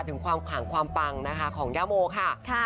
ถึงความขลังความปังนะคะของย่าโมค่ะ